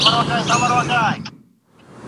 د جلال اباد په صنعت اقتصاد ته څه ګټه رسوي؟